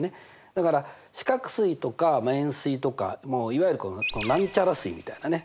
だから四角錐とか円錐とかいわゆる何ちゃら錐みたいなね